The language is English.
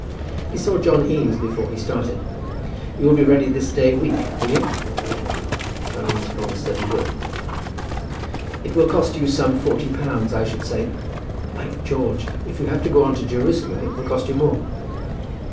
He saw John Eames before he started. "You'll be ready this day week, will you?" John Eames promised that he would. "It will cost you some forty pounds, I should say. By George, if you have to go on to Jerusalem, it will cost you more."